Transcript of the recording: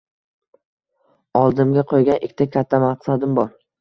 Oldimga qo`ygan ikkita katta maqsadim bor